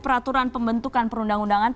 peraturan pembentukan perundang undangan